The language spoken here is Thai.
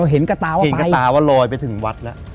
เห็นกระตาว่าลอยไปถึงวัดแล้ว